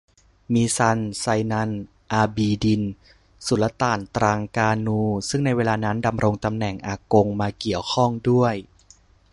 มีซัน ไซนัล อาบีดิน สุลต่านตรังกานู ซึ่งในเวลานั้นดำรงตำแหน่งอากงมาเกี่ยวข้องด้วย